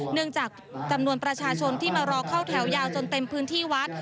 เนื่องจากจำนวนประชาชนที่มารอเข้าแถวยาวจนเต็มพื้นที่วัด